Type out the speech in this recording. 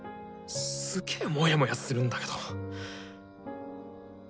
すげえモヤモヤするんだけど。